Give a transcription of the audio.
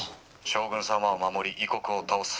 「将軍様を守り異国を倒す。